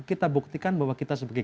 kita buktikan bahwa kita sebagai